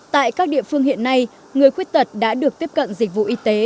tại các địa phương hiện nay người khuyết tật đã được tiếp cận dịch vụ y tế